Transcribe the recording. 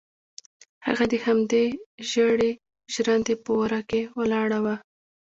هغه د همدې زړې ژرندې په وره کې ولاړه وه.